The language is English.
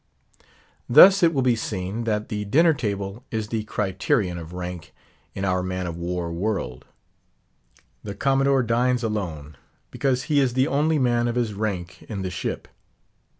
Thus it will be seen, that the dinner table is the criterion of rank in our man of war world. The Commodore dines alone, because he is the only man of his rank in the ship.